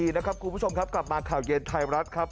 นะครับคุณผู้ชมครับกลับมาข่าวเย็นไทยรัฐครับ